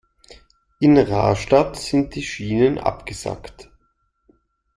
In Rastatt sind die Schienen abgesackt.